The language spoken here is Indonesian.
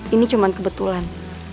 ini cuma kebetulan